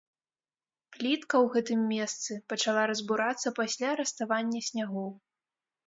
Плітка ў гэтым месцы пачала разбурацца пасля раставання снягоў.